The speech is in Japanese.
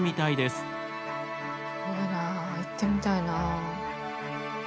すごいなあ行ってみたいなあ。